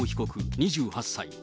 ２８歳。